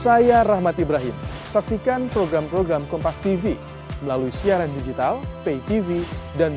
saya rahmat ibrahim saksikan program program kompas tv melalui siaran digital pay tv dan